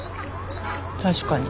確かに。